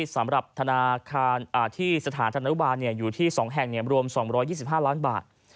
สำหรับธนาคารที่สถานธนุบาลอยู่ที่๒แห่งรวม๒๒๕ล้านบาท